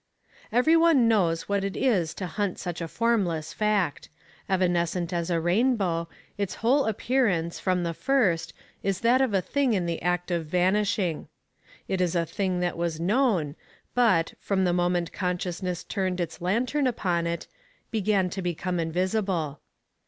"'Everyone knows what it is to hunt such a formless fact. Evanescent as a rainbow, its whole appearance, from the first, is that of a thing in the act of vanishing. It is a thing that was known, but, from the moment consciousness turned its lantern upon it, began to become invisible.